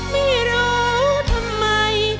ไม่รู้ทำไม